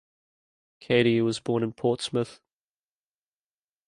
Katy was born in Portsmouth.